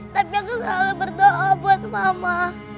tapi aku selalu berdoa buat mama